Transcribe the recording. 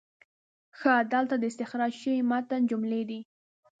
ښه، دلته د استخراج شوي متن جملې دي: